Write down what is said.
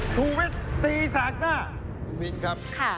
เพราะกันชัดครู่หนึ่งช่วงหน้าห้ามเปลี่ยนช่องนะคะ